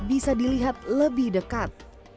bisa dilihat lebih dekat